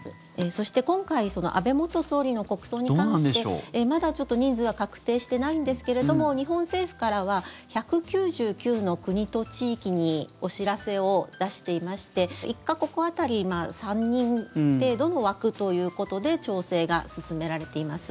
そして今回安倍元総理の国葬に関してまだちょっと人数は確定していないんですけれども日本政府からは１９９の国と地域にお知らせを出していまして１か国当たり３人程度の枠ということで調整が進められています。